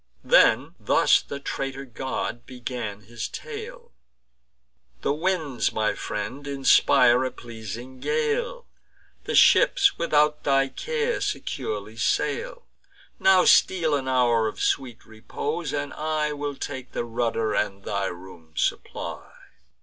Then thus the traitor god began his tale: "The winds, my friend, inspire a pleasing gale; The ships, without thy care, securely sail. Now steal an hour of sweet repose; and I Will take the rudder and thy room supply."